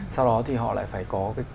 sau đó thì họ lại phải có